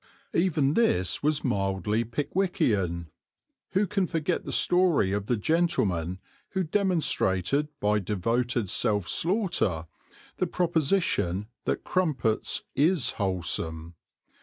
Even this was mildly Pickwickian (who can forget the story of the gentleman who demonstrated by devoted self slaughter the proposition that crumpets is wholesome?).